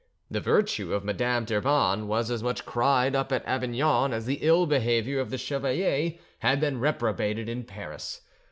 The virtue of Madame d'Urban was as much cried up at Avignon as the ill behaviour of the chevalier had been reprobated in Paris.